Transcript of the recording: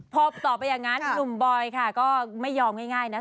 พอต่อไปอย่างนั้นหนุ่มบอยค่ะก็ไม่ยอมง่ายนะ